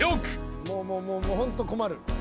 もうもうホント困る。